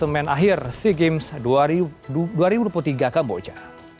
semen akhir sea games dua ribu dua puluh tiga kamboja